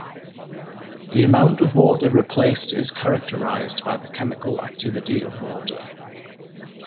The amount of water replaced is characterized by the chemical activity of water.